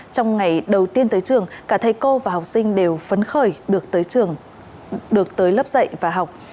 trong ngày đầu tiên tới trường cả thầy cô và học sinh đều phấn khởi được tới lớp dạy và học